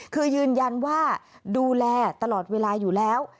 คือยืนยันว่าดูแลตลอดเวลาอยู่แล้ว